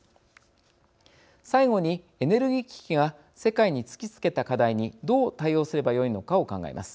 最後にエネルギー危機が世界に突きつけた課題にどう対応すればよいのかを考えます。